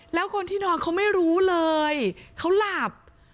แล้วคนที่นอนเขาไม่รู้เลยเขาหลับ